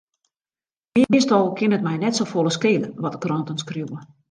Meastal kin it my net safolle skele wat de kranten skriuwe.